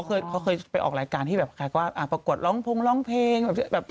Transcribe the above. เค้าเคยไปออกรายการที่แบบใครก็ว่าประกวดร้องพรุงร้องเพลง